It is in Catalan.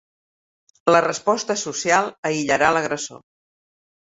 La resposta social aïllarà l'agressor.